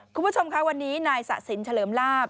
คุณผู้ชมค่ะวันนี้นายสะสินเฉลิมลาบ